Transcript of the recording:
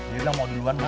diri ma mau duluan ma